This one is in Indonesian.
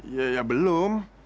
iya ya belum